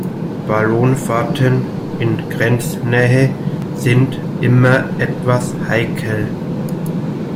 Ballonfahrten in Grenznähe sind immer etwas heikel.